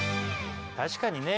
確かにね。